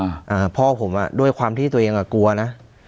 อ่าพ่อผมอ่ะด้วยความที่ตัวเองอ่ะกลัวนะ